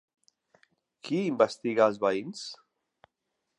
Qui investiga els veïns?